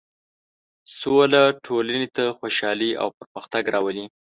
سوله ټولنې ته خوشحالي او پرمختګ راولي.